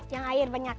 yang air banyak